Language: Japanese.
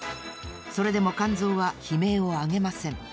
それでも肝臓は悲鳴をあげません。